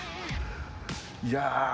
いや。